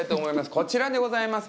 こちらでございます。